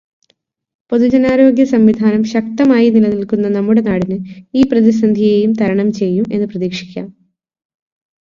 പൊതുജനാരോഗ്യസംവിധാനം ശക്തമായി നിലനിൽക്കുന്ന നമ്മുടെ നാടിന് ഈ പ്രതിസന്ധിയേയും തരണം ചെയ്യും എന്നു പ്രതീക്ഷിക്കാം.